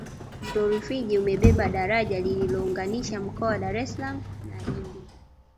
mto rufiji umebeba daraja lilounganisha mkoa ya dar es salaam na indi